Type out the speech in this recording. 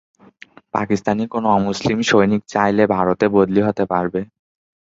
পাকিস্তানি কোনো অমুসলিম সৈনিক চাইলে ভারতে বদলি হতে পারবে।